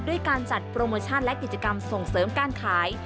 ด้วยการจัดโปรโมชั่นและกิจกรรมส่งเสริมการขาย